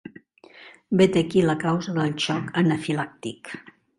Vet aquí la causa del xoc anafilàctic.